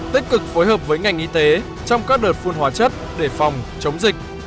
tích cực phối hợp với ngành y tế trong các đợt phun hóa chất để phòng chống dịch